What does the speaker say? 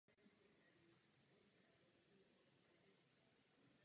Na stroji se se kombinuje technika tkaní a mechanického vázání koberců.